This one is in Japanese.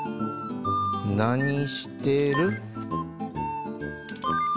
「何してる？」。